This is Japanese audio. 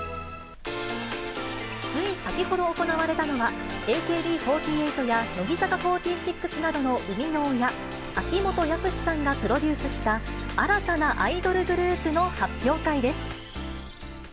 つい先ほど行われたのは、ＡＫＢ４８や乃木坂４６などの生みの親、秋元康さんがプロデュースした、新たなアイドルグループの発表会です。